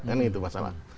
kan itu masalah